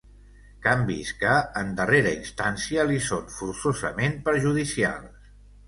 Canvis que, en darrera instància, li són forçosament perjudicials.